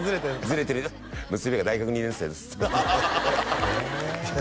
ずれてる娘が大学２年生ですへえ